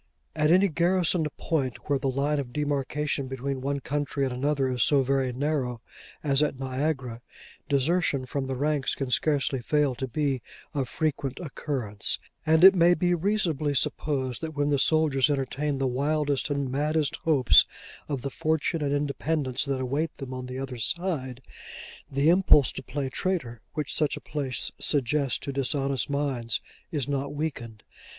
At any garrisoned point where the line of demarcation between one country and another is so very narrow as at Niagara, desertion from the ranks can scarcely fail to be of frequent occurrence: and it may be reasonably supposed that when the soldiers entertain the wildest and maddest hopes of the fortune and independence that await them on the other side, the impulse to play traitor, which such a place suggests to dishonest minds, is not weakened.